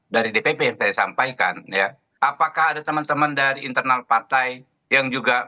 dari dpp yang saya sampaikan ya apakah ada teman teman dari internal partai yang juga